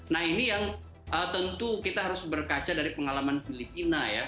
nah ini yang tentu kita harus berkaca dari pengalaman filipina ya